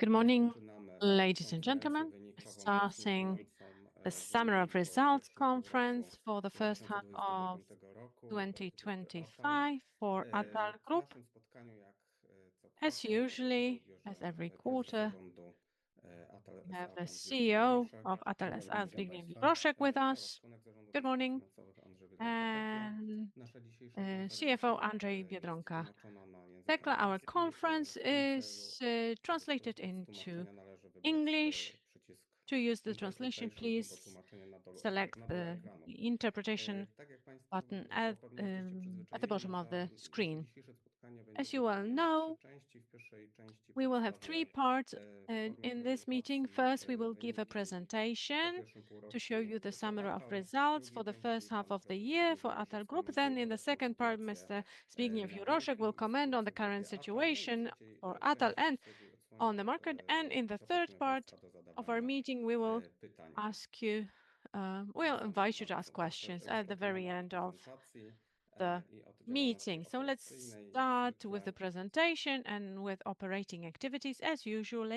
Good morning, ladies and gentlemen. We're starting the Summary of Results conference for the first half of 2025 for Atal Group, as usual, as every quarter. We have the CEO of Atal S.A., Zbigniew Juroszek, with us. Good morning. CFO, Andrzej Biedronka. Our conference is translated into English. To use the translation, please select the interpretation button at the bottom of the screen. As you all know, we will have three parts in this meeting. First, we will give a presentation to show you the summary of results for the first half of the year for Atal Group. Then, in the second part, Mr. Zbigniew Juroszek will comment on the current situation for Atal and on the market. And in the third part of our meeting, we will invite you to ask questions at the very end of the meeting. So let's start with the presentation and with operating activities, as usual.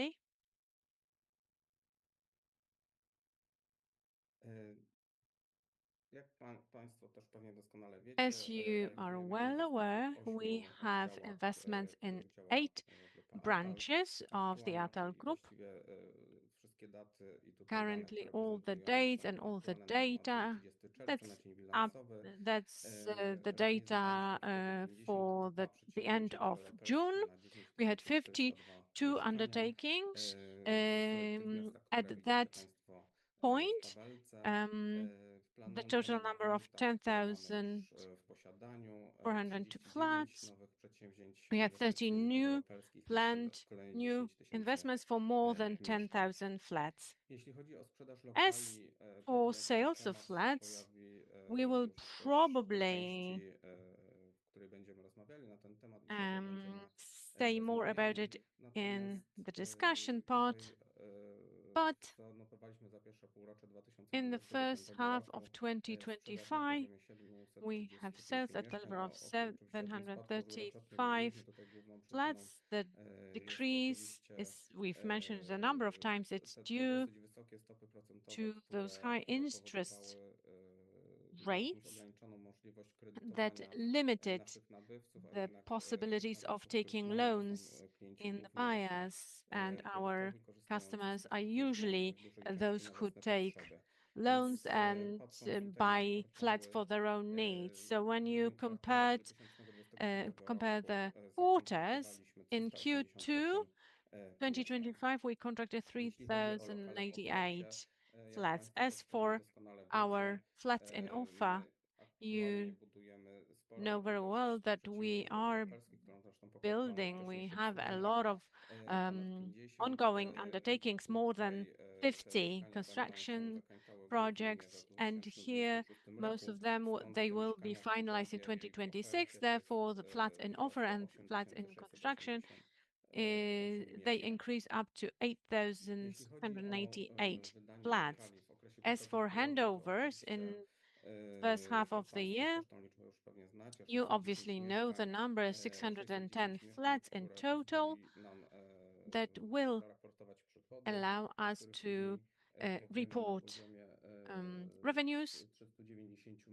As you are well aware, we have investments in eight branches of the Atal Group. Currently, all the dates and all the data, that's the data for the end of June. We had 52 undertakings at that point, the total number of 10,402 flats. We had 30 new planned investments for more than 10,000 flats. As for sales of flats, we will probably say more about it in the discussion part, but in the first half of 2025, we have sales at the level of 735 flats. The decrease, as we've mentioned a number of times, is due to those high interest rates that limited the possibilities of taking loans in the past. And our customers are usually those who take loans and buy flats for their own needs. When you compare the quarters, in Q2 2025, we contracted 3,088 flats. As for our flats in offer, you know very well that we are building. We have a lot of ongoing undertakings, more than 50 construction projects, and here, most of them, they will be finalized in 2026. Therefore, the flats in offer and flats in construction, they increased up to 8,688 flats. As for handovers in the first half of the year, you obviously know the number is 610 flats in total that will allow us to report revenues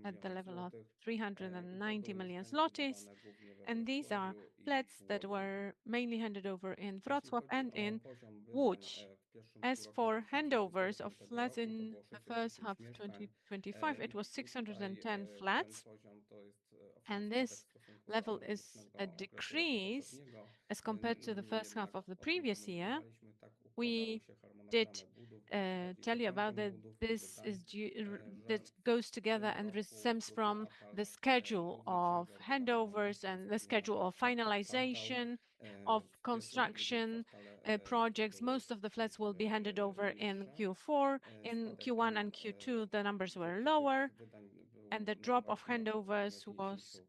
at the level of 390 million zlotys. And these are flats that were mainly handed over in Wrocław and in Łódź. As for handovers of flats in the first half of 2025, it was 610 flats, and this level is a decrease as compared to the first half of the previous year. We did tell you about that this goes together and stems from the schedule of handovers and the schedule of finalization of construction projects. Most of the flats will be handed over in Q4. In Q1 and Q2, the numbers were lower, and the drop of handovers was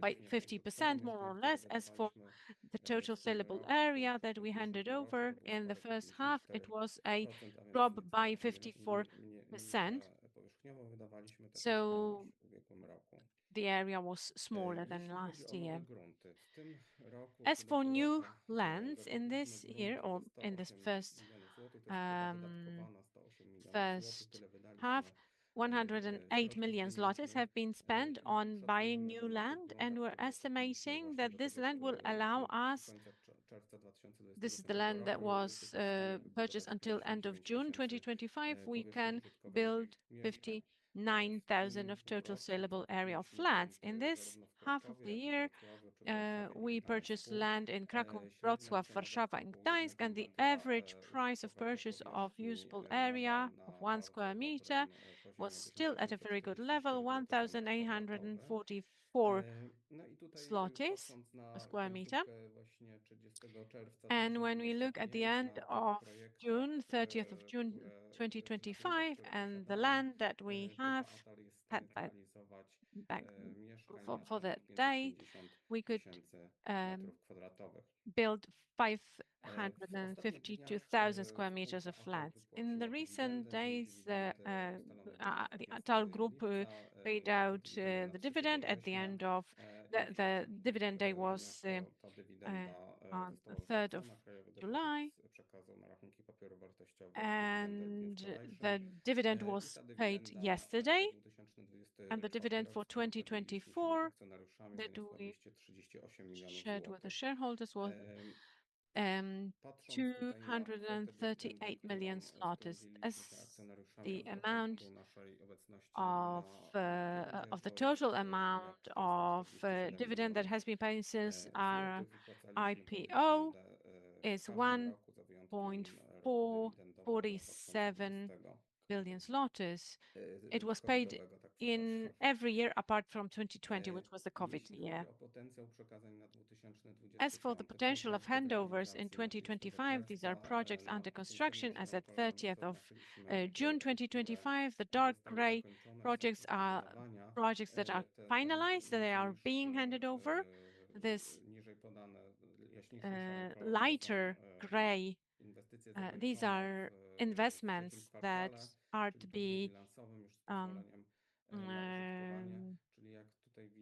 by 50%, more or less. As for the total saleable area that we handed over in the first half, it was a drop by 54%, so the area was smaller than last year. As for new lands in this year or in the first half, 108 million zlotys have been spent on buying new land, and we're estimating that this land will allow us. This is the land that was purchased until the end of June 2025. We can build 59,000 of total saleable area of flats. In this half of the year, we purchased land in Kraków, Wrocław, Warsaw, and Gdańsk, and the average price of purchase of usable area of one square meter was still at a very good level, 1,844 zlotys per square meter. And when we look at the end of June, 30th of June 2025, and the land that we have had for that day, we could build 552,000 square meters of flats. In the recent days, the Atal Group paid out the dividend. At the end of the dividend day was the 3rd of July, and the dividend was paid yesterday. And the dividend for 2024, that we shared with the shareholders, was 238 million zlotys. As the amount of the total amount of dividend that has been paid since our IPO is 1.447 billion. It was paid in every year apart from 2020, which was the COVID year. As for the potential of handovers in 2025, these are projects under construction. As of 30th of June 2025, the dark gray projects are projects that are finalized. They are being handed over. Lighter gray, these are investments that are to be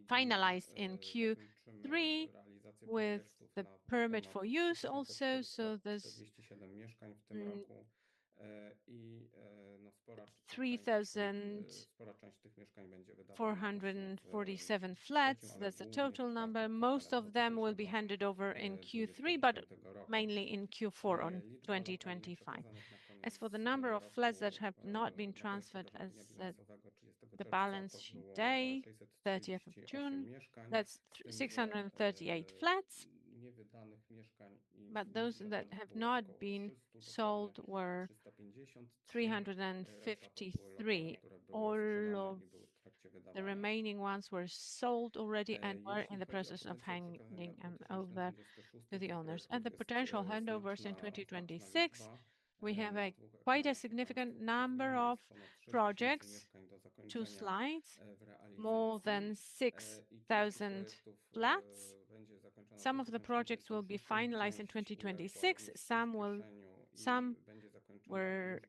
finalized in Q3 with the permit for use also. So there's 3,000, a small chance that 447 flats, that's the total number. Most of them will be handed over in Q3, but mainly in Q4 of 2025. As for the number of flats that have not been transferred, as of the balance sheet date, 30th of June, that's 638 flats. But those that have not been sold were 353. All of the remaining ones were sold already and are in the process of handing them over to the owners. And the potential handovers in 2026, we have quite a significant number of projects. Two slides, more than 6,000 flats. Some of the projects will be finalized in 2026. Some were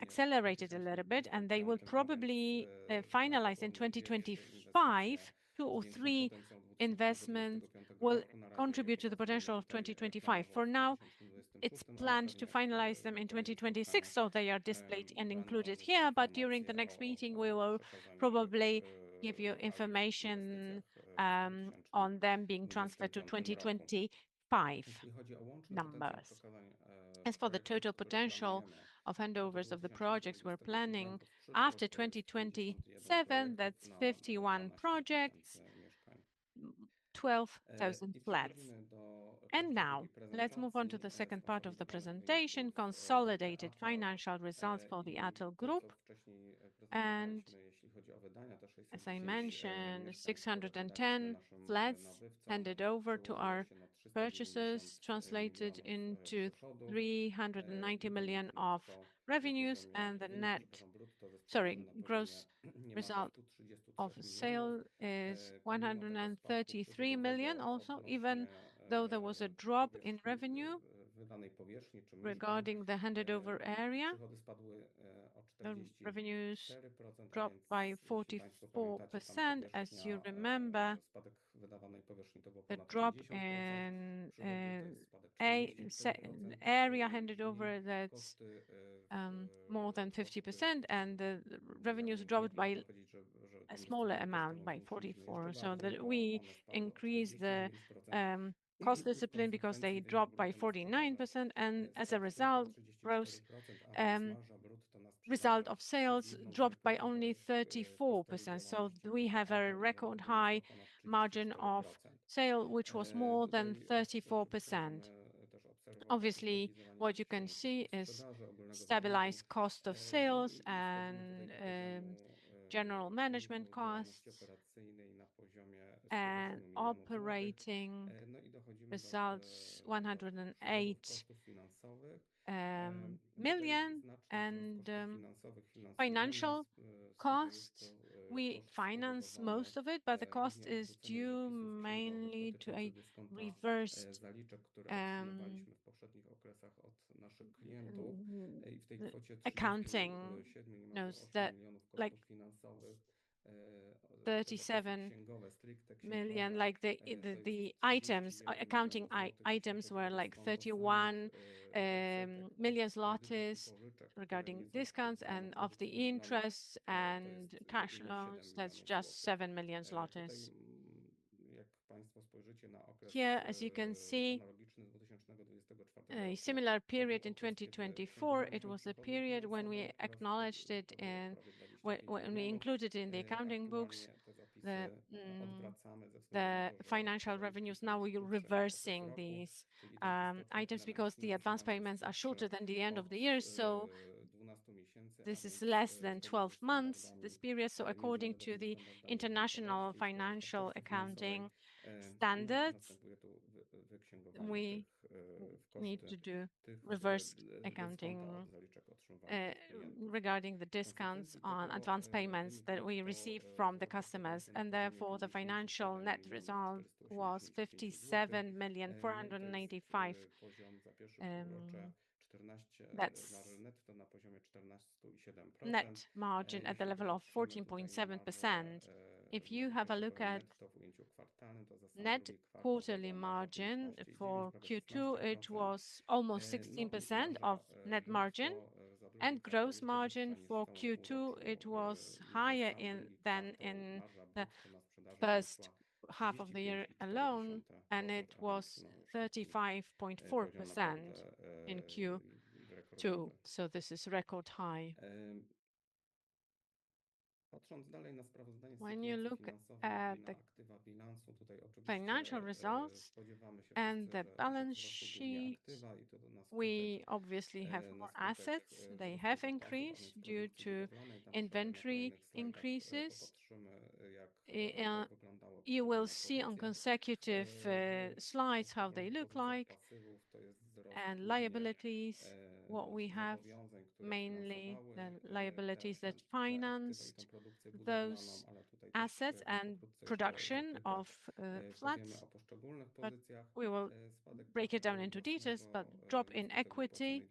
accelerated a little bit, and they will probably finalize in 2025. Two or three investments will contribute to the potential of 2025. For now, it's planned to finalize them in 2026, so they are displayed and included here. But during the next meeting, we will probably give you information on them being transferred to 2025 numbers. As for the total potential of handovers of the projects we're planning after 2027, that's 51 projects, 12,000 flats. And now, let's move on to the second part of the presentation, consolidated financial results for the Atal Group. And as I mentioned, 610 flats handed over to our purchasers translated into 390 million of revenues, and the net gross result of sale is 133 million also, even though there was a drop in revenue regarding the handed-over area. Revenues dropped by 44%. As you remember, a drop in area handed over that's more than 50%, and the revenues dropped by a smaller amount by 44%, so that we increased the cost discipline because they dropped by 49%, and as a result, gross result of sales dropped by only 34%, so we have a record high margin of sale, which was more than 34%. Obviously, what you can see is stabilized cost of sales and general management costs, and operating results PLN 108 million. And financial cost, we finance most of it, but the cost is due mainly to a reversed accounting. Like the accounting items were like 31 million zlotys regarding discounts and of the interest and cash loans, that's just 7 million. Here, as you can see, a similar period in 2024, it was a period when we acknowledged it and when we included it in the accounting books. The financial revenues, now we are reversing these items because the advance payments are shorter than the end of the year, so this is less than 12 months this period, so according to the International Financial Accounting Standards, we need to do reversed accounting regarding the discounts on advance payments that we receive from the customers, and therefore, the financial net result was 57,495 net margin at the level of 14.7%. If you have a look at net quarterly margin for Q2, it was almost 16% of net margin, and gross margin for Q2, it was higher than in the first half of the year alone, and it was 35.4% in Q2, so this is record high. When you look at the financial results and the balance sheet, we obviously have more assets. They have increased due to inventory increases. You will see on consecutive slides how they look like, and liabilities, what we have, mainly the liabilities that financed those assets and production of flats. We will break it down into details, but drop in equity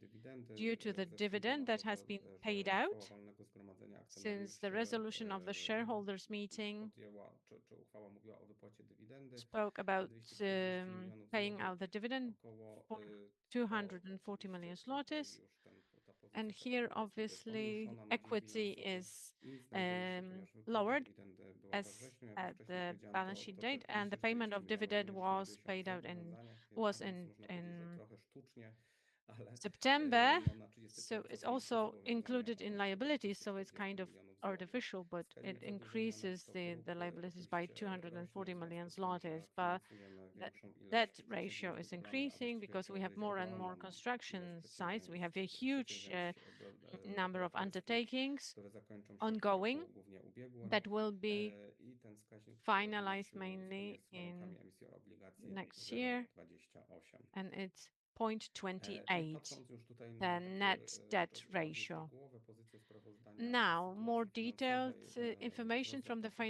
due to the dividend that has been paid out since the resolution of the shareholders' meeting spoke about paying out the dividend of 240 million zlotys, and here, obviously, equity is lowered at the balance sheet date, and the payment of dividend was paid out in September, so it's also included in liabilities, so it's kind of artificial, but it increases the liabilities by 240 million zlotys, but that ratio is increasing because we have more and more construction sites. We have a huge number of undertakings ongoing that will be finalized mainly in next year, and it's 0.28%, the net debt ratio. Now, more detailed information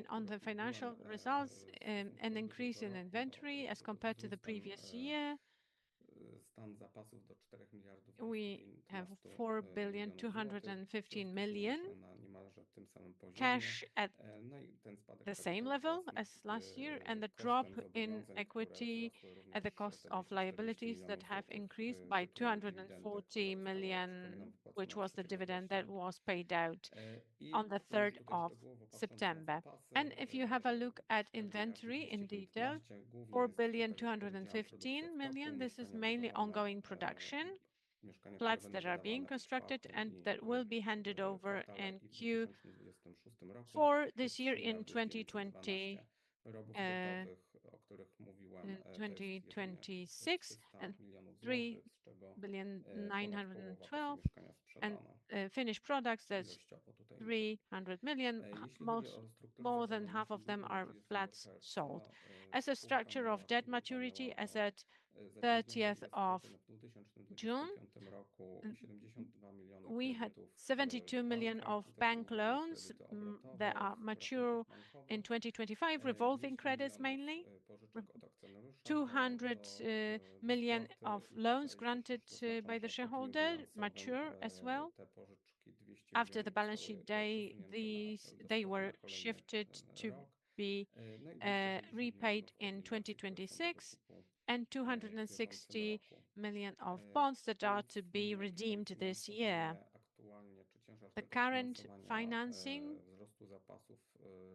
on the financial results and increase in inventory as compared to the previous year. We have 4,215 million cash at the same level as last year, and the drop in equity at the cost of liabilities that have increased by 240 million, which was the dividend that was paid out on the 3rd of September. And if you have a look at inventory in detail, 4,215 million, this is mainly ongoing production, flats that are being constructed and that will be handed over in Q4 this year in 2026. And 3,912 finished products, that's 300 million. More than half of them are flats sold. As a structure of debt maturity, as at 30th of June, we had 72 million of bank loans that are mature in 2025, revolving credits mainly. 200 million of loans granted by the shareholders mature as well. After the balance sheet date, they were shifted to be repaid in 2026, and 260 million of bonds that are to be redeemed this year. The current financing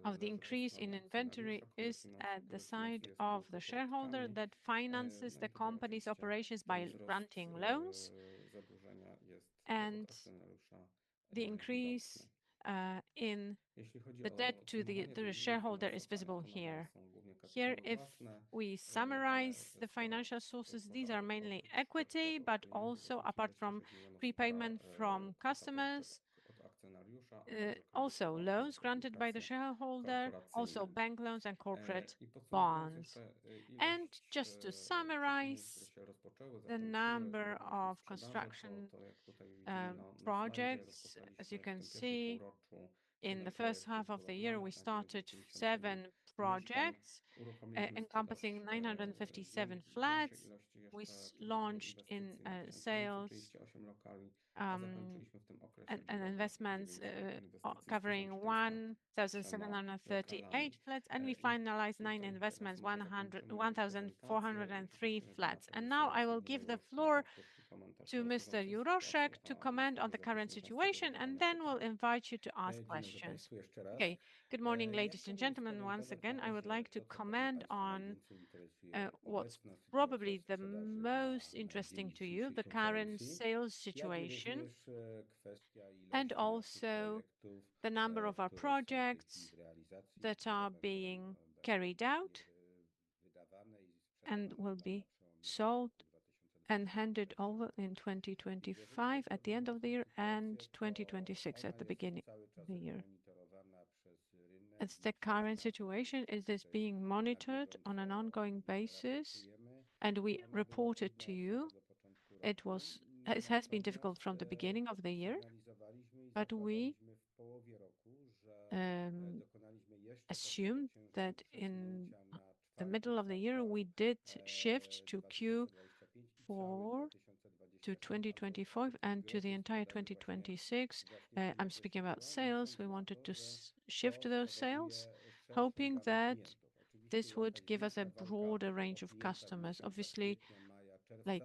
of the increase in inventory is at the side of the shareholder that finances the company's operations by granting loans. And the increase in the debt to the shareholder is visible here. Here, if we summarize the financial sources, these are mainly equity, but also apart from prepayment from customers, also loans granted by the shareholder, also bank loans and corporate bonds. And just to summarize, the number of construction projects, as you can see, in the first half of the year, we started seven projects encompassing 957 flats. We launched in sales and investments covering 1,738 flats, and we finalized nine investments, 1,403 flats. And now I will give the floor to Mr. Juroszek to comment on the current situation, and then we'll invite you to ask questions. Okay, good morning, ladies and gentlemen. Once again, I would like to comment on what's probably the most interesting to you, the current sales situation, and also the number of our projects that are being carried out and will be sold and handed over in 2025 at the end of the year and 2026 at the beginning of the year. It's the current situation. It is being monitored on an ongoing basis, and we reported to you. It has been difficult from the beginning of the year, but we assumed that in the middle of the year we did shift to Q4 to 2025 and to the entire 2026. I'm speaking about sales. We wanted to shift those sales, hoping that this would give us a broader range of customers. Obviously, like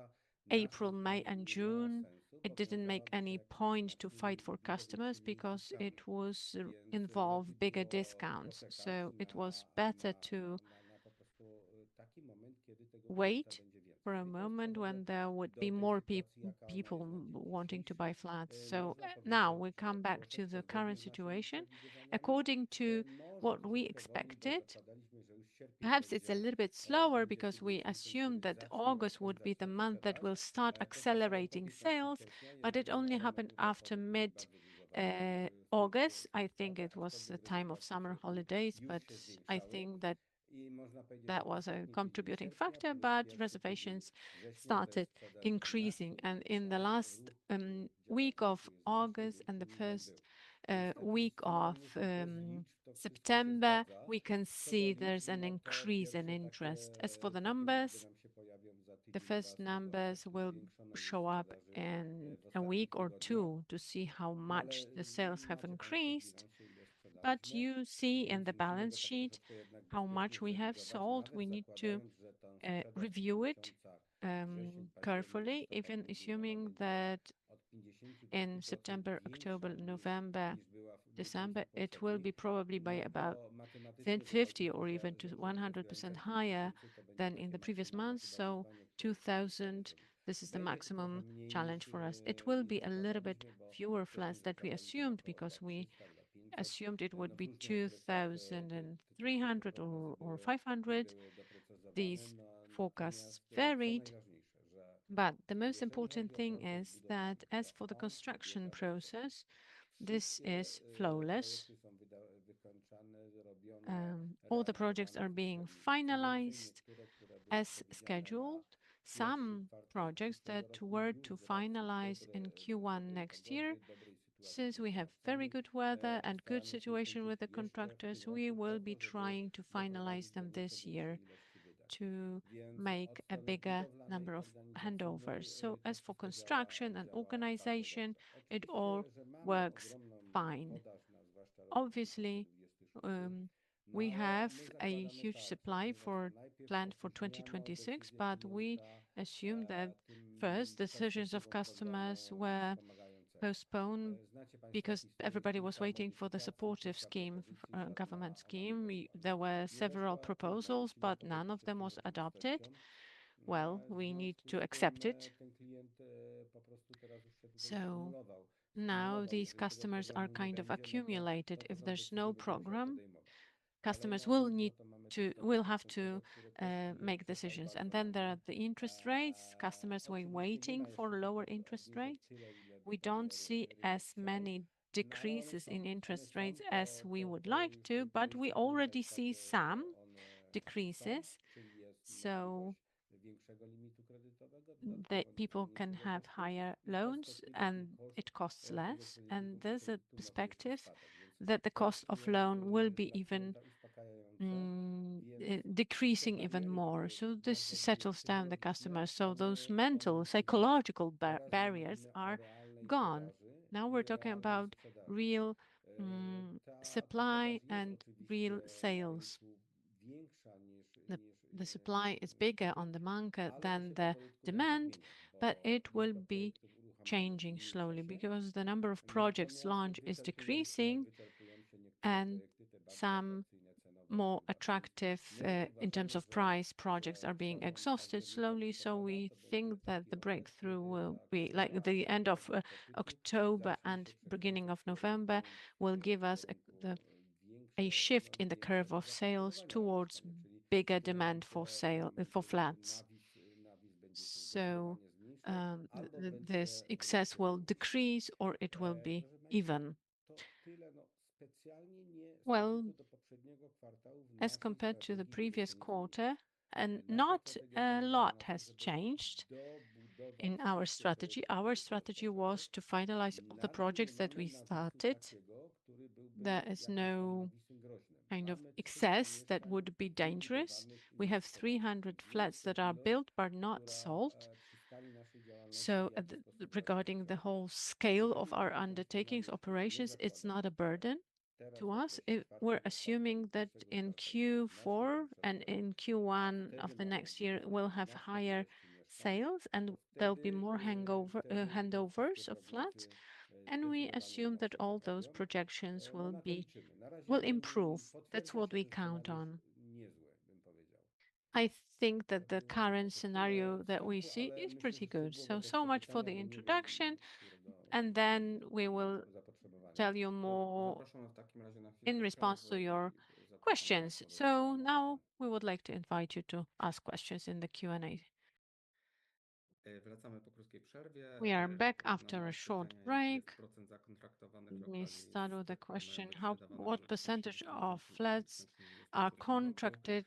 April, May, and June, it didn't make any point to fight for customers because it was involved bigger discounts. So it was better to wait for a moment when there would be more people wanting to buy flats. So now we come back to the current situation. According to what we expected, perhaps it's a little bit slower because we assumed that August would be the month that will start accelerating sales, but it only happened after mid-August. I think it was the time of summer holidays, but I think that was a contributing factor, but reservations started increasing. And in the last week of August and the first week of September, we can see there's an increase in interest. As for the numbers, the first numbers will show up in a week or two to see how much the sales have increased. You see in the balance sheet how much we have sold. We need to review it carefully, even assuming that in September, October, November, December, it will be probably by about 50% or even to 100% higher than in the previous months. 2,000, this is the maximum challenge for us. It will be a little bit fewer flats than we assumed because we assumed it would be 2,300 or 500. These forecasts varied, but the most important thing is that as for the construction process, this is flawless. All the projects are being finalized as scheduled. Some projects that were to finalize in Q1 next year, since we have very good weather and good situation with the contractors, we will be trying to finalize them this year to make a bigger number of handovers. As for construction and organization, it all works fine. Obviously, we have a huge supply planned for 2026, but we assume that first decisions of customers were postponed because everybody was waiting for the supportive scheme, government scheme. There were several proposals, but none of them was adopted. We need to accept it. Now these customers are kind of accumulated. If there's no program, customers will have to make decisions. Then there are the interest rates. Customers were waiting for lower interest rates. We don't see as many decreases in interest rates as we would like to, but we already see some decreases. People can have higher loans, and it costs less. There's a perspective that the cost of loan will be even decreasing even more. This settles down the customers. Those mental, psychological barriers are gone. Now we're talking about real supply and real sales. The supply is bigger on the market than the demand, but it will be changing slowly because the number of projects launched is decreasing, and some more attractive in terms of price projects are being exhausted slowly. We think that the breakthrough will be like the end of October and beginning of November will give us a shift in the curve of sales towards bigger demand for flats. This excess will decrease or it will be even. As compared to the previous quarter, not a lot has changed in our strategy. Our strategy was to finalize all the projects that we started. There is no kind of excess that would be dangerous. We have 300 flats that are built, but not sold. Regarding the whole scale of our undertakings, operations, it is not a burden to us. We're assuming that in Q4 and in Q1 of the next year, we'll have higher sales and there'll be more handovers of flats. And we assume that all those projections will improve. That's what we count on. I think that the current scenario that we see is pretty good. So, so much for the introduction, and then we will tell you more in response to your questions. So now we would like to invite you to ask questions in the Q&A. We are back after a short break. We start with the question: What percentage of flats are contracted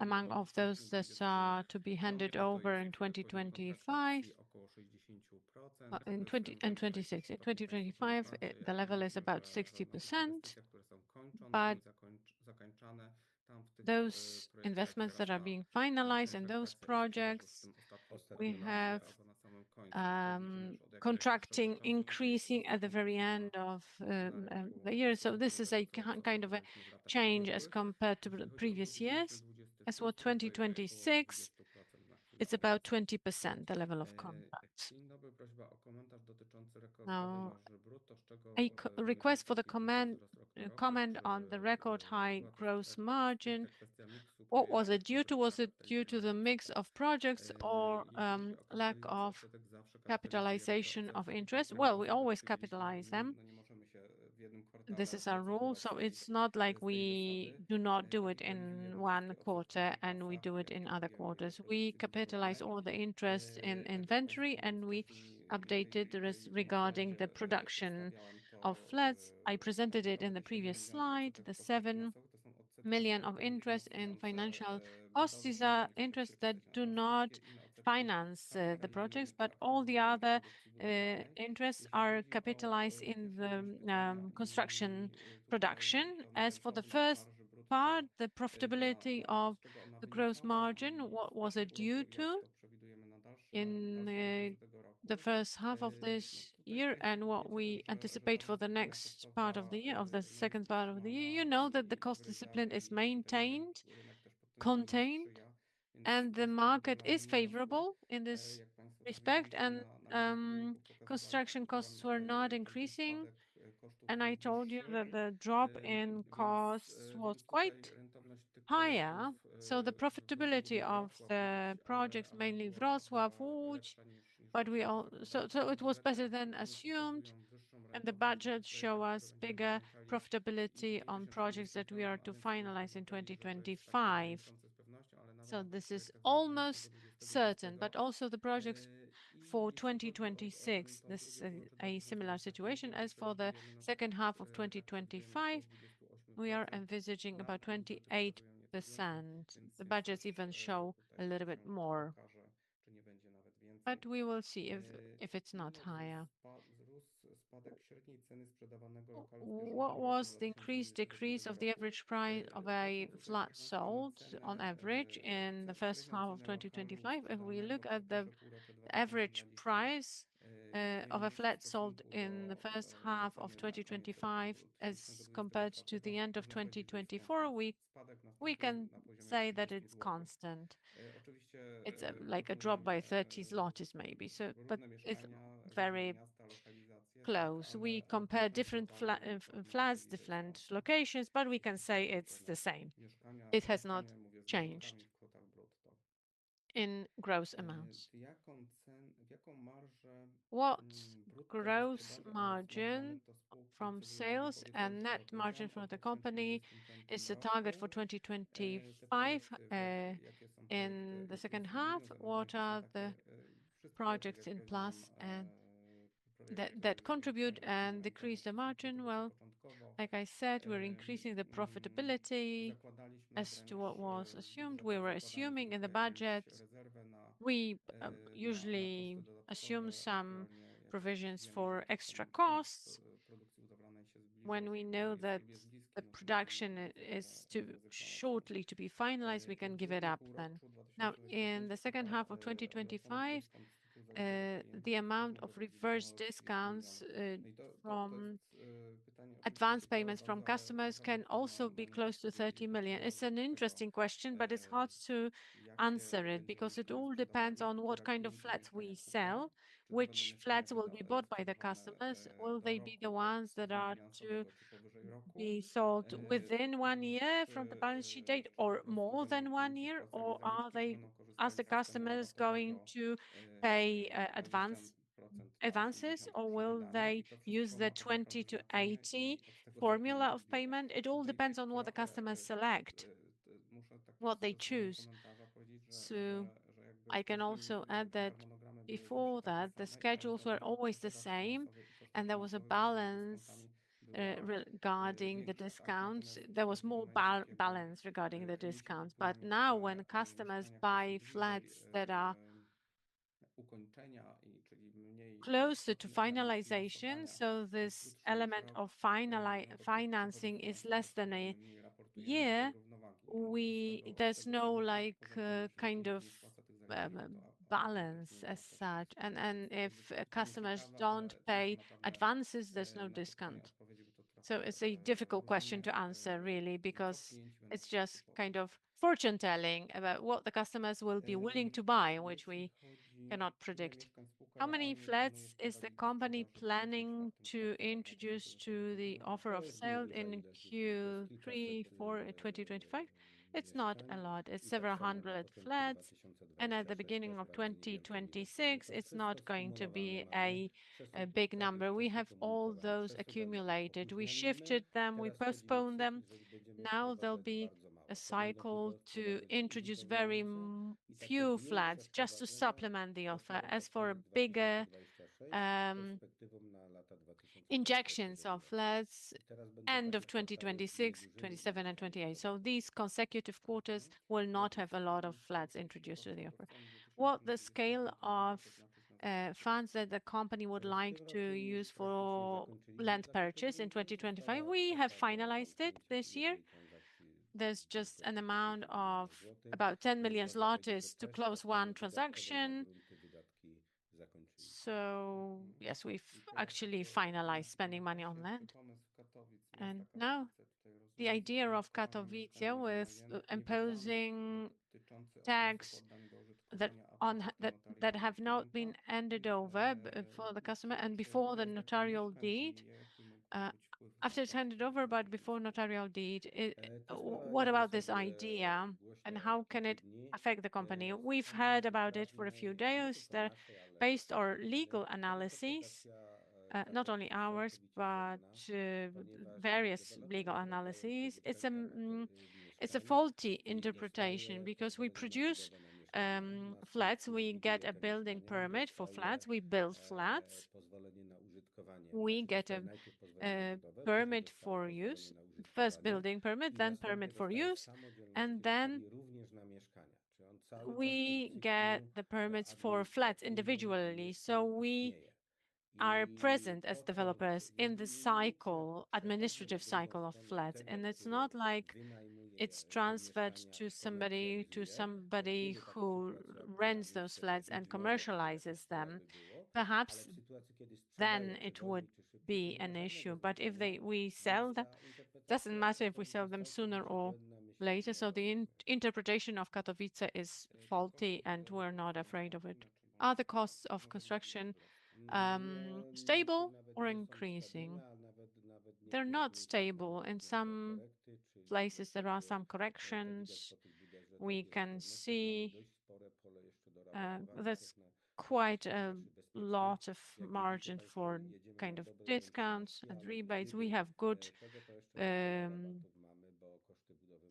among those that are to be handed over in 2025? In 2026, in 2025, the level is about 60%, but those investments that are being finalized and those projects we have contracting increasing at the very end of the year. So this is a kind of a change as compared to previous years. As for 2026, it's about 20% the level of contracts. A request for the comment on the record high gross margin. What was it due to? Was it due to the mix of projects or lack of capitalization of interest? Well, we always capitalize them. This is our rule. So it's not like we do not do it in one quarter and we do it in other quarters. We capitalize all the interest in inventory and we updated the risk regarding the production of flats. I presented it in the previous slide, the seven million PLN of interest in financial costs. These are interests that do not finance the projects, but all the other interests are capitalized in the construction production. As for the first part, the profitability of the gross margin, what was it due to in the first half of this year and what we anticipate for the next part of the year, of the second part of the year? You know that the cost discipline is maintained, contained, and the market is favorable in this respect, and construction costs were not increasing. And I told you that the drop in costs was quite higher. So the profitability of the projects mainly grows, but we all, so it was better than assumed, and the budgets show us bigger profitability on projects that we are to finalize in 2025. So this is almost certain, but also the projects for 2026, this is a similar situation. As for the second half of 2025, we are envisaging about 28%. The budgets even show a little bit more, but we will see if it's not higher. What was the increase, decrease of the average price of a flat sold on average in the first half of 2025? If we look at the average price of a flat sold in the first half of 2025 as compared to the end of 2024, we can say that it's constant. It's like a drop by 30 złoty, maybe, but it's very close. We compare different flats, different locations, but we can say it's the same. It has not changed in gross amounts. What gross margin from sales and net margin for the company is the target for 2025 in the second half? What are the projects in plus that contribute and decrease the margin? Well, like I said, we're increasing the profitability as to what was assumed. We were assuming in the budget. We usually assume some provisions for extra costs. When we know that the production is shortly to be finalized, we can give it up then. Now, in the second half of 2025, the amount of reverse discounts from advance payments from customers can also be close to 30 million. It's an interesting question, but it's hard to answer it because it all depends on what kind of flats we sell, which flats will be bought by the customers. Will they be the ones that are to be sold within one year from the balance sheet date or more than one year, or are they, as the customers, going to pay advances, or will they use the 20 to 80 formula of payment? It all depends on what the customers select, what they choose. I can also add that before that, the schedules were always the same, and there was a balance regarding the discounts. There was more balance regarding the discounts, but now when customers buy flats that are closer to finalization, so this element of financing is less than a year, there's no kind of balance as such. And if customers don't pay advances, there's no discount. It's a difficult question to answer, really, because it's just kind of fortune telling about what the customers will be willing to buy, which we cannot predict. How many flats is the company planning to introduce to the offer of sale in Q3 for 2025? It's not a lot. It's several hundred flats. At the beginning of 2026, it's not going to be a big number. We have all those accumulated. We shifted them. We postponed them. Now there'll be a cycle to introduce very few flats just to supplement the offer. As for bigger injections of flats, end of 2026, 2027, and 2028. So these consecutive quarters will not have a lot of flats introduced to the offer. What the scale of funds that the company would like to use for land purchase in 2025, we have finalized it this year. There's just an amount of about 10 million zlotys. It's to close one transaction. So yes, we've actually finalized spending money on land. Now the idea of Katowice was imposing tax that have not been handed over for the customer and before the notarial deed. After it's handed over, but before notarial deed, what about this idea and how can it affect the company? We've heard about it for a few days. They're based on legal analyses, not only ours, but various legal analyses. It's a faulty interpretation because we produce flats. We get a building permit for flats. We build flats. We get a permit for use, first building permit, then permit for use, and then we get the permits for flats individually, so we are present as developers in the cycle, administrative cycle of flats, and it's not like it's transferred to somebody who rents those flats and commercializes them. Perhaps then it would be an issue, but if we sell them, it doesn't matter if we sell them sooner or later, so the interpretation of Katowice is faulty and we're not afraid of it. Are the costs of construction stable or increasing? They're not stable. In some places, there are some corrections. We can see there's quite a lot of margin for kind of discounts and rebates. We have good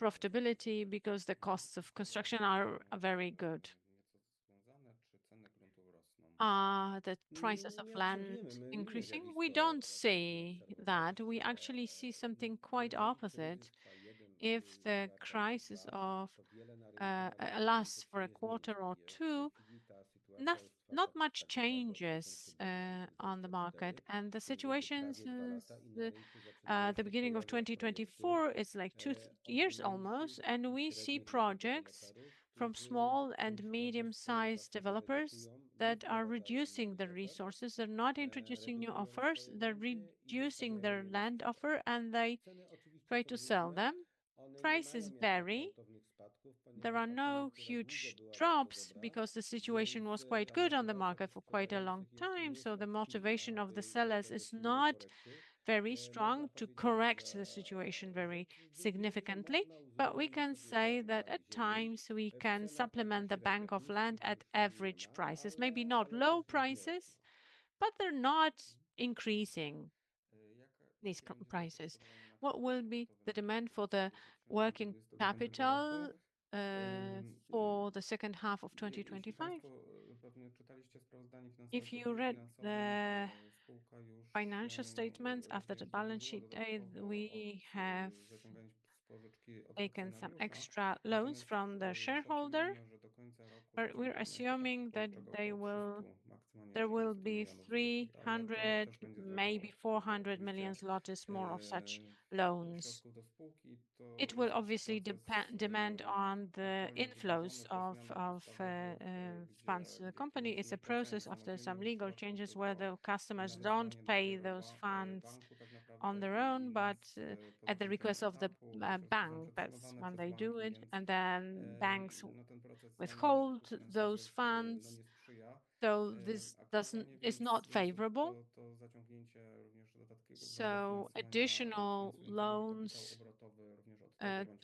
profitability because the costs of construction are very good. The prices of land increasing? We don't see that. We actually see something quite opposite. If the crisis lasts for a quarter or two, not much changes on the market. And the situation since the beginning of 2024 is like two years almost, and we see projects from small and medium-sized developers that are reducing their resources. They're not introducing new offers. They're reducing their land offer, and they try to sell them. Prices vary. There are no huge drops because the situation was quite good on the market for quite a long time. So the motivation of the sellers is not very strong to correct the situation very significantly. But we can say that at times we can supplement the bank of land at average prices. Maybe not low prices, but they're not increasing these prices. What will be the demand for the working capital for the second half of 2025? If you read the financial statements after the balance sheet date, we have taken some extra loans from the shareholder. We're assuming that there will be 300, maybe 400 million złoty, more of such loans. It will obviously depend on the inflows of funds. The company is in a process after some legal changes where the customers don't pay those funds on their own, but at the request of the bank. That's when they do it, and then banks withhold those funds. So this is not favorable. So additional loans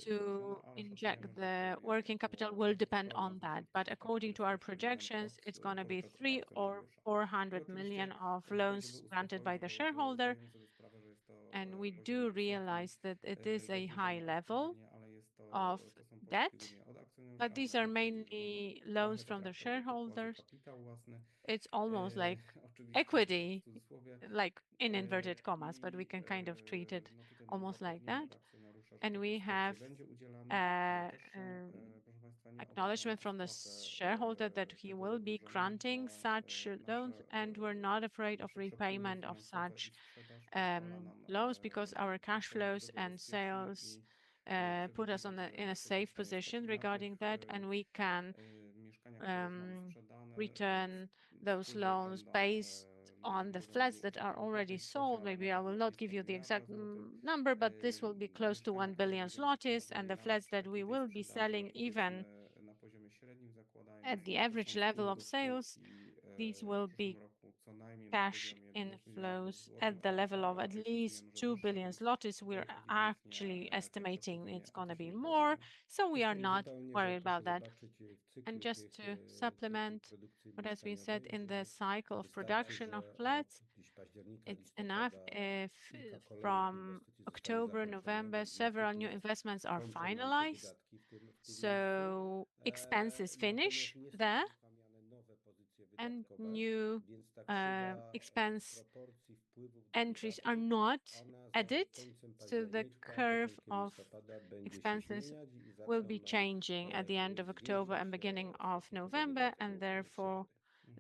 to inject the working capital will depend on that. But according to our projections, it's going to be 300 or 400 million of loans granted by the shareholder. We do realize that it is a high level of debt, but these are mainly loans from the shareholders. It's almost like equity, like in inverted commas, but we can kind of treat it almost like that. We have acknowledgment from the shareholder that he will be granting such loans, and we're not afraid of repayment of such loans because our cash flows and sales put us in a safe position regarding that, and we can return those loans based on the flats that are already sold. Maybe I will not give you the exact number, but this will be close to one billion złoty, and the flats that we will be selling, even at the average level of sales, these will be cash inflows at the level of at least two billion złoty. We're actually estimating it's going to be more, so we are not worried about that. Just to supplement what has been said in the cycle of production of flats, it's enough if from October, November, several new investments are finalized, so expenses finish there, and new expense entries are not added to the curve of expenses. It will be changing at the end of October and beginning of November, and therefore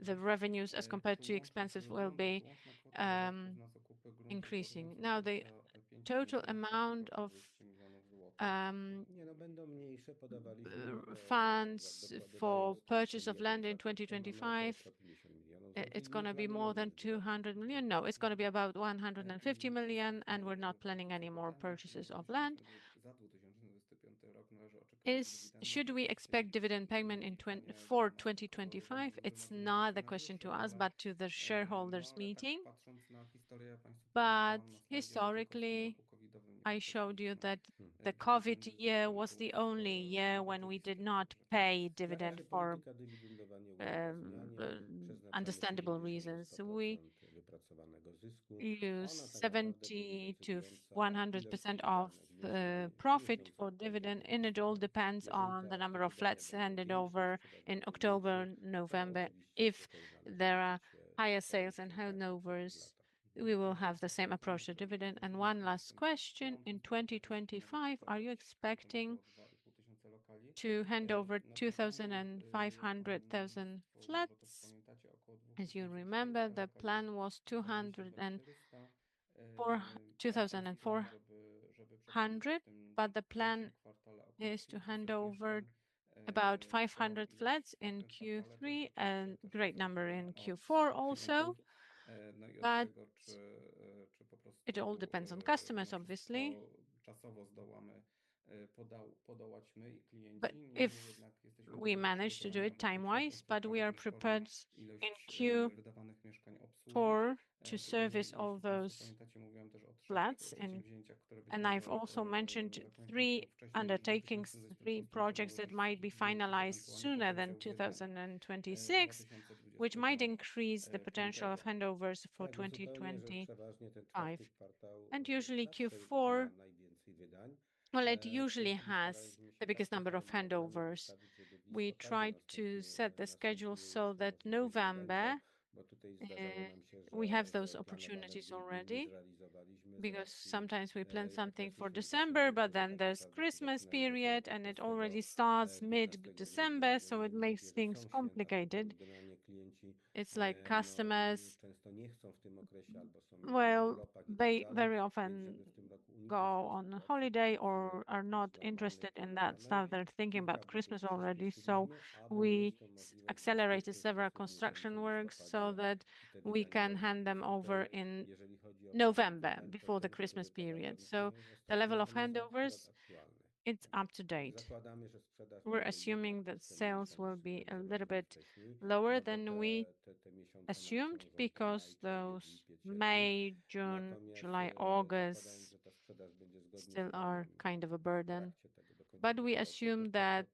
the revenues as compared to expenses will be increasing. Now, the total amount of funds for purchase of land in 2025, it's going to be more than 200 million? No, it's going to be about 150 million, and we're not planning any more purchases of land. Should we expect dividend payment for 2025? It's not the question to us, but to the shareholders' meeting. Historically, I showed you that the COVID year was the only year when we did not pay dividend for understandable reasons. We use 70%-100% of profit for dividend. It all depends on the number of flats handed over in October, November. If there are higher sales and handovers, we will have the same approach to dividend. One last question. In 2025, are you expecting to hand over 2,500,000 flats? As you remember, the plan was 2,400, but the plan is to hand over about 500 flats in Q3, a great number in Q4 also. It all depends on customers, obviously. We managed to do it time-wise, but we are prepared in Q to service all those flats. I've also mentioned three undertakings, three projects that might be finalized sooner than 2026, which might increase the potential of handovers for 2025. Usually Q4, well, it usually has the biggest number of handovers. We tried to set the schedule so that November, we have those opportunities already because sometimes we plan something for December, but then there's Christmas period, and it already starts mid-December, so it makes things complicated. It's like customers often go on holiday or are not interested in that stuff. They're thinking about Christmas already. So we accelerated several construction works so that we can hand them over in November before the Christmas period. So the level of handovers, it's up to date. We're assuming that sales will be a little bit lower than we assumed because those May, June, July, August still are kind of a burden. But we assume that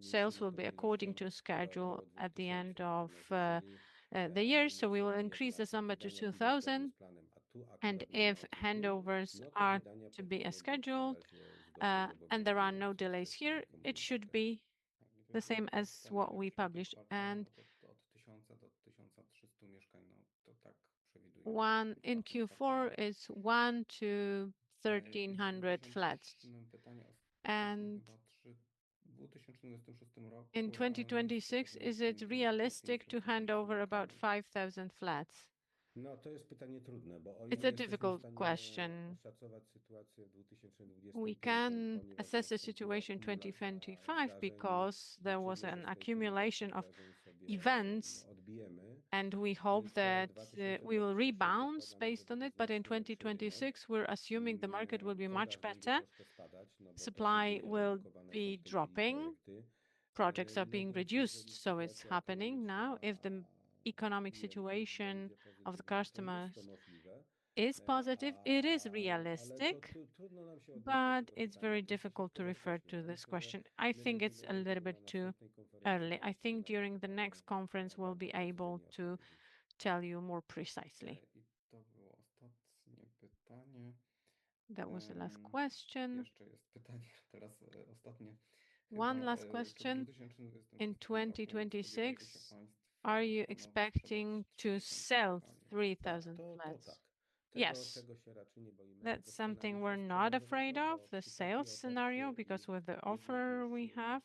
sales will be according to schedule at the end of the year, so we will increase the summer to 2,000. And if handovers are to be scheduled and there are no delays here, it should be the same as what we published. And one in Q4 is one to 1,300 flats. And in 2026, is it realistic to hand over about 5,000 flats? It's a difficult question. We can assess the situation in 2025 because there was an accumulation of events, and we hope that we will rebound based on it. But in 2026, we're assuming the market will be much better. Supply will be dropping. Projects are being reduced, so it's happening now. If the economic situation of the customers is positive, it is realistic. But it's very difficult to refer to this question. I think it's a little bit too early. I think during the next conference, we'll be able to tell you more precisely. That was the last question. One last question. In 2026, are you expecting to sell 3,000 flats? Yes. That's something we're not afraid of, the sales scenario, because with the offer we have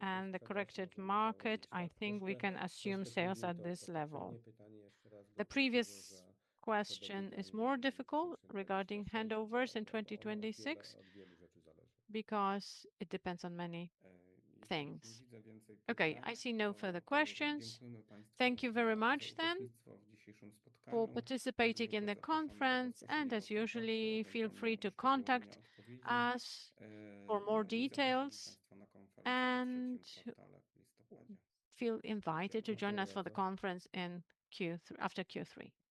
and the corrected market, I think we can assume sales at this level. The previous question is more difficult regarding handovers in 2026 because it depends on many things. Okay, I see no further questions. Thank you very much then for participating in the conference, and as usual, feel free to contact us for more details, and feel invited to join us for the conference after Q3. Good.